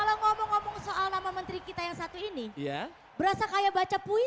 baca puji puji ya kalau ngomong ngomong soal nama menteri kita yang satu ini ya berasa kayak baca puji puji